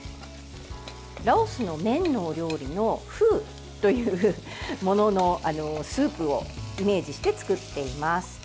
ラオスの麺のお料理のフーというもののスープをイメージして作っています。